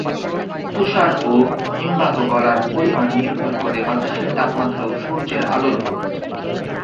তুষার ও হিমবাহ গলার পরিমাণ নির্ভর করে বাতাসের তাপমাত্রা ও সূর্যের আলোর উপর।